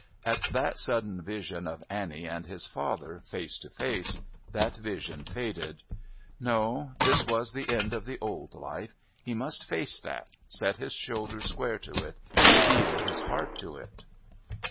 At that sudden vision of Annie and his father face to face, that vision faded; no, this was the end of the old life. He must face that, set his shoulders square to it, steel his heart to it....